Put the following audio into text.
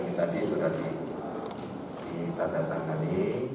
dan ini tadi sudah ditandatangani